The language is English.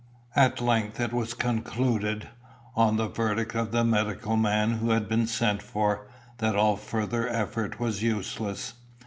At length it was concluded, on the verdict of the medical man who had been sent for, that all further effort was useless.